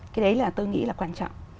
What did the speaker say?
cái đấy là tôi nghĩ là quan trọng